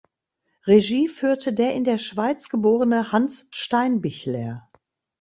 Regie führte der in der Schweiz geborene Hans Steinbichler.